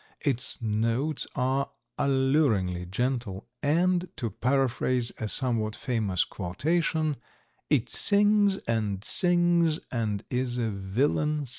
Its notes are alluringly gentle, and, to paraphrase a somewhat famous quotation, "It sings and sings and is a villain still."